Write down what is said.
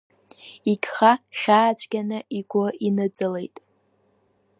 Игха хьаацәгьаны игәы иныҵалеит.